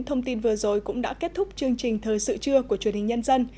thông tin vừa rồi cũng đã kết thúc chương trình thời sự trưa của truyền hình nhân dân